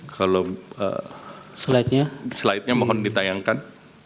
kalau slide nya mohon ditayangkan